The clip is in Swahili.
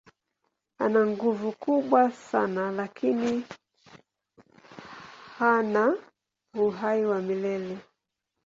Ana nguvu kubwa sana lakini hana uhai wa milele.